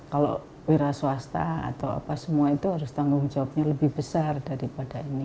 kalau wira swasta atau apa semua itu harus tanggung jawabnya lebih besar daripada ini